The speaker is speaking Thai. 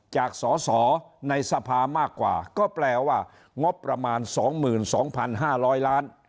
จากสอสอในสภามากกว่าก็แปลว่างบประมาณสองหมื่นสองพันห้าร้อยล้าน